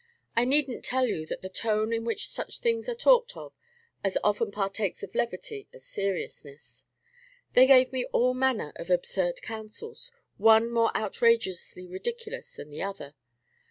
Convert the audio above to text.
I need n't tell you that the tone in which such things are talked of as often partakes of levity as seriousness. They gave me all manner of absurd counsels, one more outrageously ridiculous than the other.